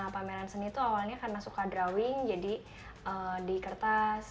pameran seni itu awalnya karena suka drawing jadi di kertas